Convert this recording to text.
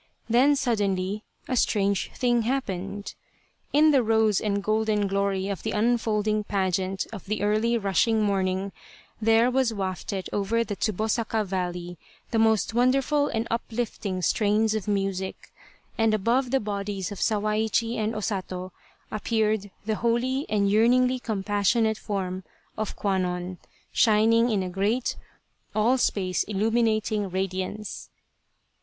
Then suddenly a strange thing happened. In the rose and golden glory of the unfolding pageant of the early rushing morning, there was wafted over the Tsubosaka valley the most wonderful and uplifting strains of music, and above the bodies of Sawaichi and O Sato appeared the holy and yearningly compassionate form of Kwannon shining in a great, all space illuminating radiance.